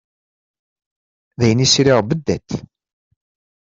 D ayen i sriɣ beddat.